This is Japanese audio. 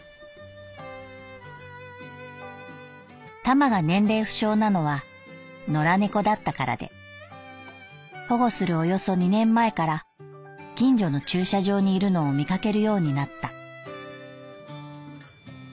「タマが年齢不詳なのは野良猫だったからで保護するおよそ二年前から近所の駐車場にいるのを見かけるようになった」。